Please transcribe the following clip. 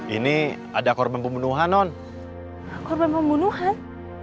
ini ada korban pembunuhan non korban pembunuhan